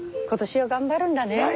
今年は頑張るんだね。